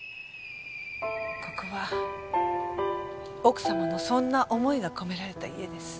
ここは奥様のそんな思いが込められた家です。